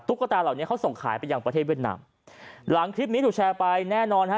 ก็ตาเหล่านี้เขาส่งขายไปยังประเทศเวียดนามหลังคลิปนี้ถูกแชร์ไปแน่นอนฮะ